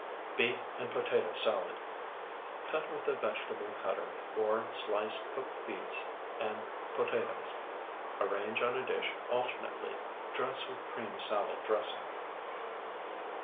BEET AND POTATO SALAD Cut with a vegetable cutter or slice cooked beets and potatoes; arrange on a dish alternately, dress with cream salad dressing.